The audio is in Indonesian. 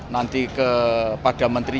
nanti kepada menteri